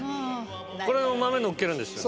これも豆のっけるんですよね。